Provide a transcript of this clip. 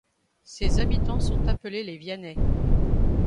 Ses habitants sont appelés les Vianais.